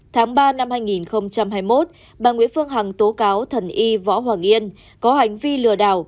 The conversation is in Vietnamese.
tháng ba năm hai nghìn hai mươi một bà nguyễn phương hằng tố cáo thần y võ hoàng yên có hành vi lừa đảo